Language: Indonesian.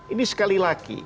ini sekali lagi